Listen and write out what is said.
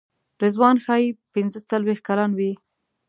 رضوان ښایي پنځه څلوېښت کلن وي.